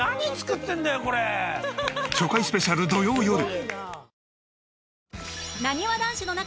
初回スペシャル土曜よる。